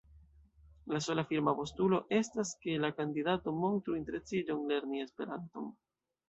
La sola firma postulo estas, ke la kandidato “montru interesiĝon lerni Esperanton”.